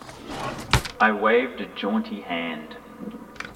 I waved a jaunty hand.